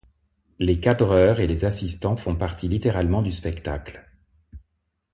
Les cadreurs et les assistants font partie littéralement du spectacle.